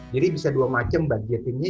jadi bisa dua macam bagian ini